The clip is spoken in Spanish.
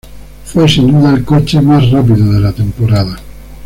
Fue sin duda el coche más rápido de la temporada.